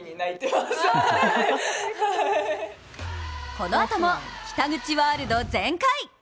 このあとも北口ワールド全開。